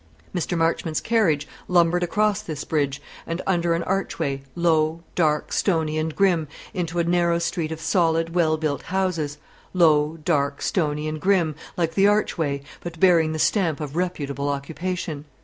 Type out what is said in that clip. Mr. Marchmont's carriage lumbered across this bridge, and under an archway, low, dark, stony, and grim, into a narrow street of solid, well built houses, low, dark, stony, and grim, like the archway, but bearing the stamp of reputable occupation.